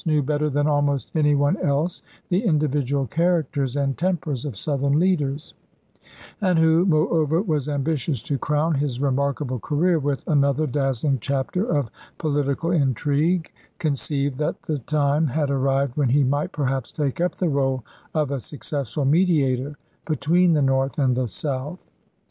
knew better than almost any one else the individual characters and tempers of Southern leaders; and who, moreover, was ambitious to crown his remark able career with another dazzling chapter of po litical intrigue, conceived that the time had arrived when he might perhaps take up the role of a suc cessful mediator between the North and the South.